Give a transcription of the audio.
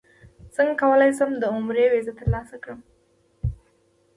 څنګه کولی شم د عمرې ویزه ترلاسه کړم